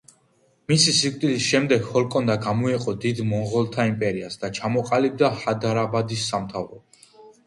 მისი სიკვდილის შემდეგ ჰოლკონდა გამოეყო დიდ მოგოლთა იმპერიას და ჩამოყალიბდა ჰაიდარაბადის სამთავროდ.